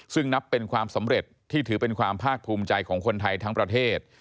ซึ่งนับเป็นความสำเร็จที่ถือเป็นความภาคภูมิใจของคนไทยทั้งประเทศ